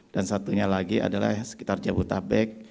dan satunya lagi adalah sekitar jabutabek